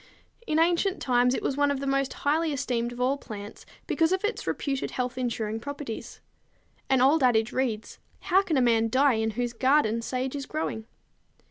In ancient times, it was one of the most highly esteemed of all plants because of its reputed health insuring properties. An old adage reads, "How can a man die in whose garden sage is growing?"